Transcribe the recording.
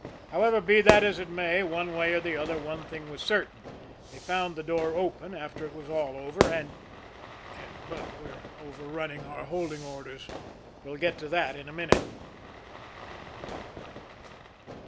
However, be that as it may, one way or the other, one thing was certain, they found the door open after it was all over, and but, we're over running our holding orders we'll get to that in a minute.